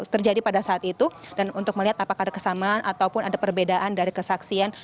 terjadi pada saat itu dan untuk melihat apakah ada kesamaan ataupun ada perbedaan dari kesaksian